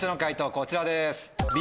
こちらです。